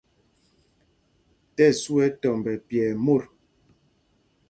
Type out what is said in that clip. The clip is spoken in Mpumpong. Tí ɛsu ɛ tɔmb nɛ pyɛɛ mot.